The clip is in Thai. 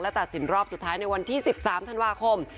ตัดสินรอบสุดท้ายในวันที่๑๓ธันวาคม